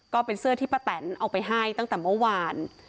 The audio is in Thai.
ก็เป็นเสื้อที่ป้าแตนเอาไปให้ตั้งแต่เมื่อวาน